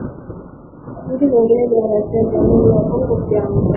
nyingine za nchi na unapakana na Jamhuri ya Kongo pia Angola